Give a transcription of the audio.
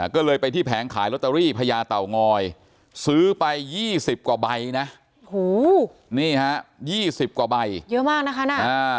ก็เลยไปที่แผงขายลอตเตอรี่พญาเต่างอยซื้อไป๒๐กว่าใบนะนี่ฮะ๒๐กว่าใบเยอะมากนะคะน่ะ